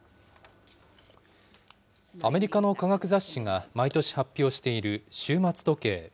アメリカの科学雑誌が毎年発表している終末時計。